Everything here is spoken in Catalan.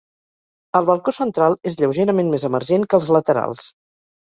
El balcó central és lleugerament més emergent que els laterals.